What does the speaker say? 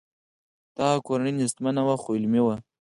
د هغه کورنۍ نیستمنه وه خو علمي وه